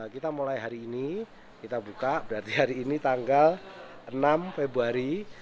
kita mulai hari ini kita buka berarti hari ini tanggal enam februari